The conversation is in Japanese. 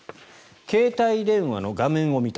携帯電話の画面を見た。